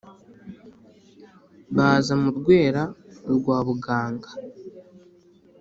Baza mu Rwera, urwa Buganga;